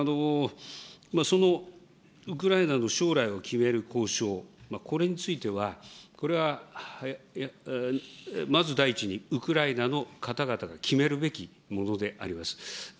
そのウクライナの将来を決める交渉、これについては、これは、まず第一にウクライナの方々が決めるべきものであります。